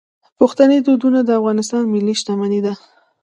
پښتني دودونه د افغانستان ملي شتمني ده.